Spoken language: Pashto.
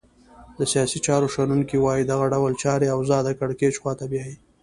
د سیاسي چارو شنونکي وایې دغه ډول چاري اوضاع د کرکېچ خواته بیایې.